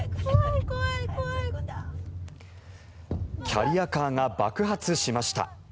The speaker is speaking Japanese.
キャリアカーが爆発しました。